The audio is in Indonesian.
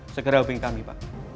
segera hubungi kami pak